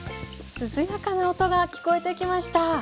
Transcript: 涼やかな音が聞こえてきました。